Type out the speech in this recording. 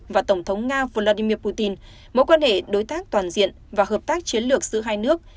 và tổng thống nga vladimir putin mối quan hệ đối tác toàn diện và hợp tác chiến lược giữa hai nước